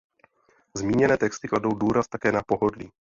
Zmíněné texty kladou důraz také na pohodlí.